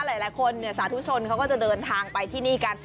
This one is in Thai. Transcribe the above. หลายคนสาธุชนเขาก็จะเดินทางไปที่นี่กัน